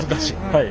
はい。